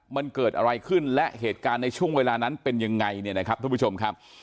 มันเกิดอะไรขึ้นและเหตุการณ์ในช่วงเวลานั้นเป็นยังไงเนี่ยนะครับทุกผู้ชมครับ